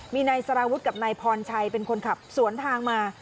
มีนายสารวุฒิกับนายพรชัยเป็นคนขับสวนทางมา